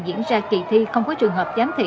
diễn ra kỳ thi không có trường hợp giám thị